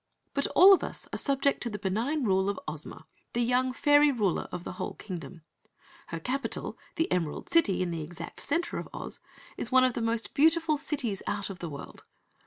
"But all of us are subject to the benign rule of Ozma, the young Fairy Ruler of the whole Kingdom. Her capitol, the Emerald City, in the exact center of Oz, is one of the most beautiful cities out of the world!